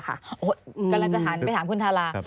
โอ๊ยกำลังจะถันไปถามคุณธารา